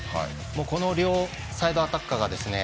この両サイドアタッカーがですね